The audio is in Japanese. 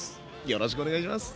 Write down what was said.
よろしくお願いします。